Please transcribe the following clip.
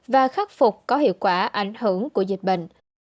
và khắc phục có hiệu quả ảnh hưởng của dịch bệnh